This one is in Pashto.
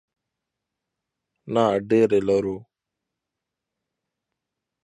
ښځینه لیکوالاني په پښتو ادب کښي کمي لرو.